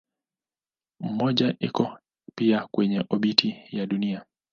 Mmoja iko pia kwenye obiti ya Dunia.